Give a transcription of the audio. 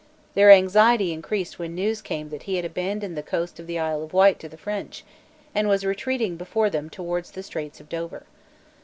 Their anxiety increased when news came that he had abandoned the coast of the Isle of Wight to the French, and was retreating before them towards the Straits of Dover.